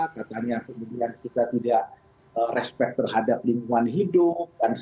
katanya kemudian kita tidak respect terhadap lingkungan hidup